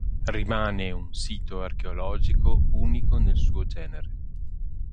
Rimane un sito archeologico unico nel suo genere.